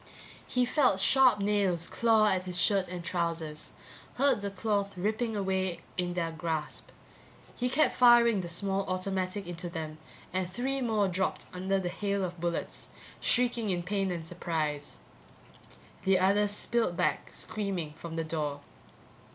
He felt sharp nails claw at his shirt and trousers, heard the cloth ripping away in their grasp. He kept firing the small automatic into them, and three more dropped under the hail of bullets, shrieking in pain and surprise. The others spilled back, screaming, from the door.